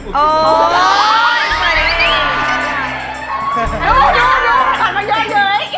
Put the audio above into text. ดูมันกันมาเยอะเย้ย